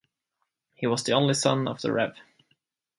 He was the only son of the Rev.